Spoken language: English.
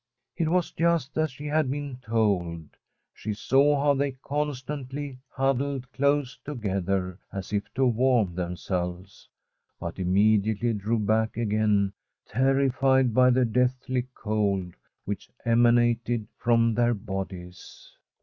It was just as she had been told. She saw how I224J OU AGNETE they constantly huddled close together, as if to warm themselves, but immediately drew back again, terrified by the deathly cold which ema nated from their bodies.